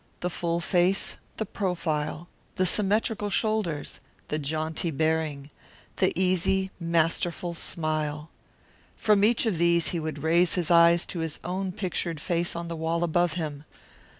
The full face, the profile, the symmetrical shoulders, the jaunty bearing, the easy, masterful smile. From each of these he would raise his eyes to his own pictured face on the wall above him.